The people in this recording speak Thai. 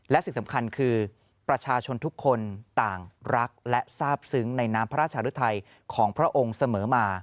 และสิ่งสำคัญคือประชาชนทุกคนต่างรักและทราบซึ้งในน้ำพระราชหรือไทยของพระองค์เสมอมา